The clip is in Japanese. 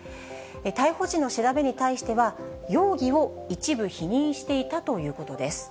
逮捕時の調べに対しては、容疑を一部否認していたということです。